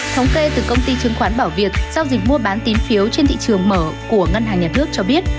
thống kê từ công ty chứng khoán bảo việt giao dịch mua bán tín phiếu trên thị trường mở của ngân hàng nhà nước cho biết